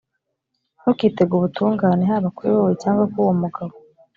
ntukitege ubutungane haba kuri wowe cyangwa ku wo mugabo